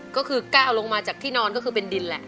ก็คือก้าวลงมาจากที่นอนก็คือเป็นดินแหละ